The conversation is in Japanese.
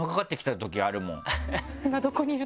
「今どこにいる？」。